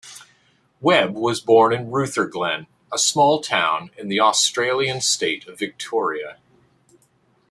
Webb was born in Rutherglen, a small town in the Australian state of Victoria.